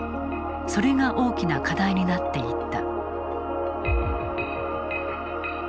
それが大きな課題になっていった。